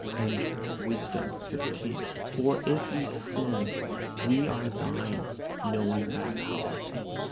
And Wisdom xv: "For if we sin, we are Thine, knowing Thy power."